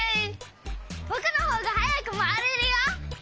ぼくのほうがはやくまわれるよ！